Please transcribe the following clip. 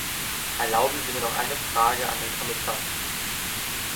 Erlauben Sie mir noch eine Frage an den Kommissar.